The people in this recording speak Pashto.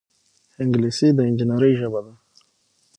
انګلیسي د انجینرۍ ژبه ده